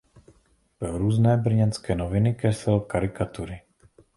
Pro různé brněnské noviny kreslil karikatury.